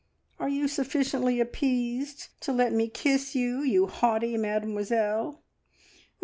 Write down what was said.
Are you sufficiently appeased to let me kiss you, you haughty Mademoiselle?"